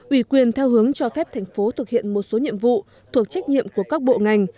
ủy quyền theo hướng cho phép thành phố thực hiện một số nhiệm vụ thuộc trách nhiệm của các bộ ngành